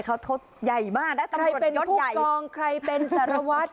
เขาทดใหญ่มากนะใครเป็นผู้กองใครเป็นสารวัตร